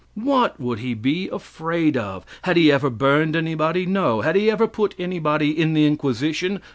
What would he be afraid of? Had he ever burned anybody? No. Had he ever put anybody in the inquisition?